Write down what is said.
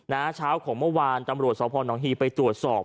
นะครับเช้าของเมื่อวานตำรวจสาวพรหนองฮีไปตรวจสอบ